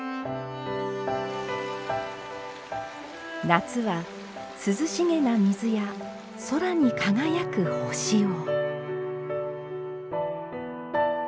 夏は涼しげな水や空に輝く星を。